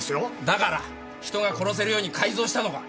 だから人が殺せるように改造したのか？